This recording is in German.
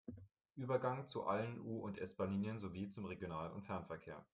Übergang zu allen U- und S-Bahnlinien sowie zum Regional- und Fernverkehr.